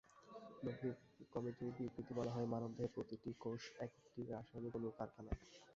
Nobel কমিটির বিবৃতিতে বলা হয়, মানবদেহের প্রতিটি কোষ একেকটি রাসায়নিক অণুর কারখানা।